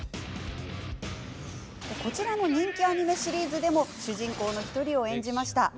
こちら、人気アニメシリーズでも主人公の１人を演じました。